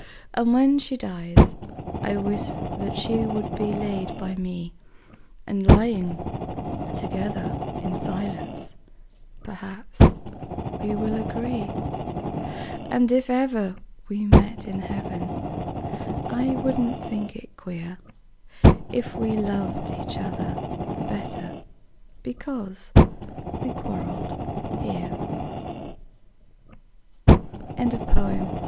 And when she dies I wish that she would be laid by me, And, lyin' together in silence, perhaps we will agree; And, if ever we meet in heaven, I wouldn't think it queer If we loved each other the better because we quarreled here. HOW BETSEY AND I MADE UP.